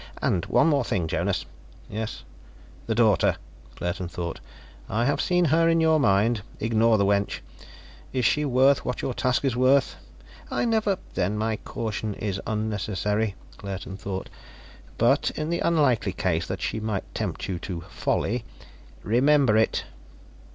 "And one more thing, Jonas." "Yes?" "The daughter," Claerten thought. "I have seen her in your mind. Ignore the wench. Is she worth what your task is worth?" "I never " "Then my caution is unnecessary," Claerten thought. "But, in the unlikely case that she might tempt you to folly remember it."